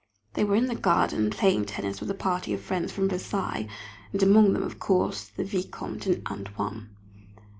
They were in the garden playing tennis with a party of friends from Versailles, and among them, of course, the Vicomte and "Antoine."